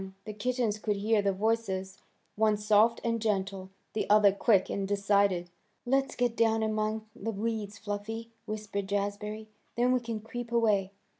The kittens could hear the voices, one soft and gentle, the other quick and decided. "Let's get down among the weeds, Fluffy," whispered Jazbury. "Then we can creep away."